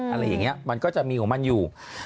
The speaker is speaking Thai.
อะไรอย่างนี้มันก็จะมีของมันอยู่